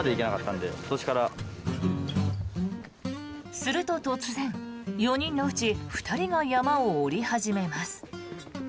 すると、突然４人のうち２人が山を下り始めます。